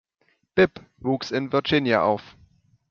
Bibb wuchs in Virginia auf.